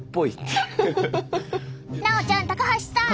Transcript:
奈央ちゃん高橋さん。